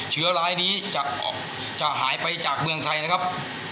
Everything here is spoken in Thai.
เชื้อร้ายนี้จะออกจะหายไปจากเมืองไทยนะครับ